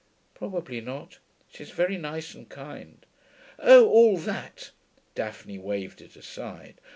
'Probably not. She's very nice and kind.' 'Oh all that.' Daphne waved it aside.